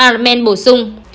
r mann bổ sung